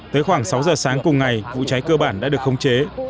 tới khoảng sáu giờ sáng cùng ngày vụ cháy cơ bản đã được khống chế